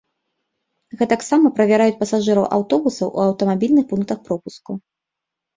Гэтаксама правяраюць пасажыраў аўтобусаў у аўтамабільных пунктах пропуску.